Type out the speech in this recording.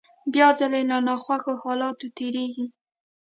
بيا ځلې له ناخوښو حالاتو تېرېږي.